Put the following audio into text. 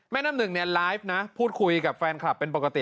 น้ำหนึ่งเนี่ยไลฟ์นะพูดคุยกับแฟนคลับเป็นปกติ